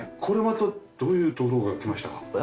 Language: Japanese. これはまたどういうところからきましたか？